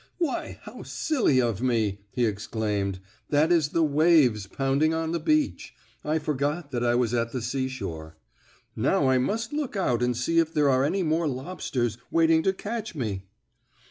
"Why, how silly of me!" he exclaimed. "That is the waves pounding on the beach. I forgot that I was at the seashore. Now I must look out and see if there are any more lobsters waiting to catch me."